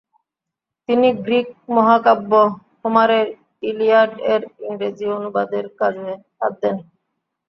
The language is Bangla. তিনি গ্রিক মহাকাব্য হোমারের ইলিয়াড এর ইংরেজি অনুবাদের কাজে হাত দেন।